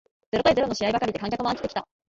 ゼロ対ゼロの試合ばかりで観客も飽きてきた